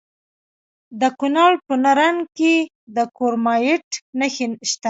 د کونړ په نرنګ کې د کرومایټ نښې شته.